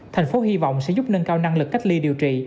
thành phố hy vọng sẽ giúp nâng cao năng lực cách ly điều trị